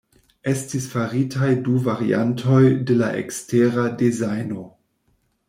Estis faritaj du variantoj de la ekstera dezajno.